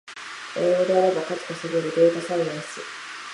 英語でやれば数稼げるデータサイエンス